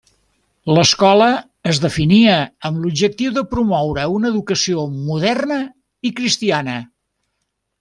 L'escola es definia amb l'objectiu de promoure una educació moderna i cristiana.